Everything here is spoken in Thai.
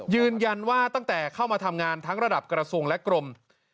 ยืนยันว่าตั้งแต่เข้ามาทำงานทั้งระดับกระทรวงและกรม